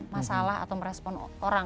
masalah atau merespon orang